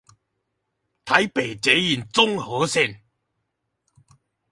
台北捷運中和線